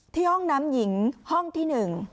ห้องน้ำหญิงห้องที่๑